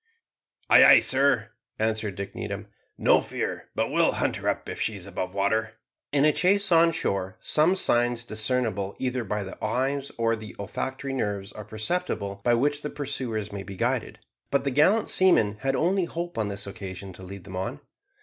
"Ay, ay, sir," answered Dick Needham. "No fear but we'll hunt her up if she is above water." In a chase on shore some signs discernible either by the eyes or the olfactory nerves are perceptible by which the pursuers may be guided, but the gallant seamen had only hope on this occasion to lead them on.